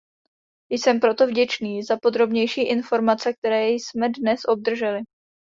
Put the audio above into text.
Jsem proto vděčný za podrobnější informace, které jsme dnes obdrželi.